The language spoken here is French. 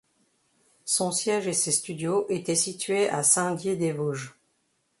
Son siège et ses studios étaient situés à Saint-Dié-des-Vosges.